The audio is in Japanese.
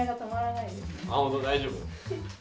大丈夫？